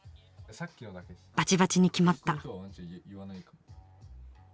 バチバチに決まった。